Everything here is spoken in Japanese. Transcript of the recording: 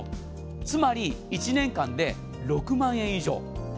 つまり１年間で６万円以上。